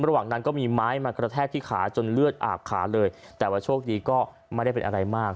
ระหว่างนั้นก็มีไม้มากระแทกที่ขาจนเลือดอาบขาเลยแต่ว่าโชคดีก็ไม่ได้เป็นอะไรมาก